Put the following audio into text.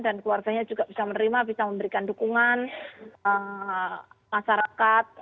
dan keluarganya juga bisa menerima bisa memberikan dukungan masyarakat